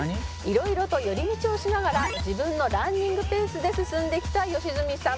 「色々と寄り道をしながら自分のランニングペースで進んできた良純さん」